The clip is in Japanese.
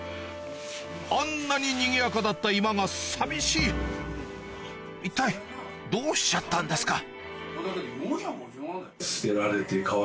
あんなににぎやかだった居間が寂しい一体どうしちゃったんですか？